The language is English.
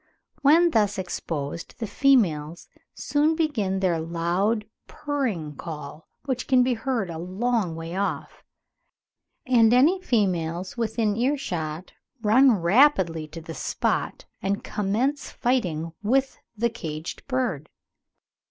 When thus exposed the females soon begin their "loud purring call, which can be heard a long way off, and any females within ear shot run rapidly to the spot, and commence fighting with the caged bird."